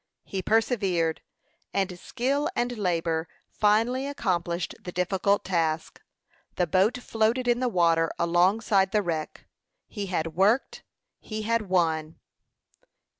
He persevered, and skill and labor finally accomplished the difficult task. The boat floated in the water alongside the wreck. He had worked; he had won.